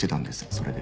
それで。